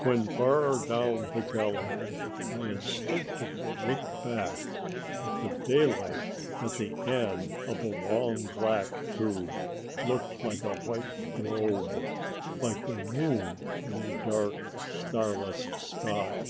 When far down the gallery I instinctively looked back, but the daylight at the end of the long black tube looked like a white globe, like the moon in a dark, starless sky.